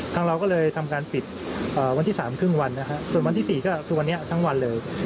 เราก็เลยทำการปิดวันที่๓ครึ่งวันนะฮะส่วนวันที่๔ก็คือวันนี้ทั้งวันเลย